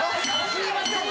すいません。